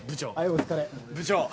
お疲れ。